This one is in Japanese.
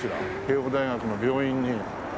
慶應大学の病院に。